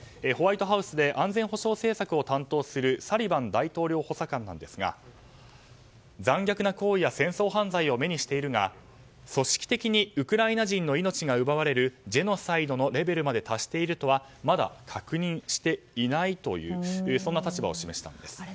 ホワイトハウスで安全保障政策を担当するサリバン大統領補佐官なんですが残虐な行為や戦争犯罪を目にしているが、組織的にウクライナ人の命が奪われるジェノサイドのレベルまで達しているとはまだ確認していないというそんな立場を示したんです。